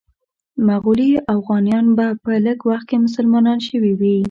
مغولي اوغانیان به په لږ وخت کې مسلمانان شوي وي.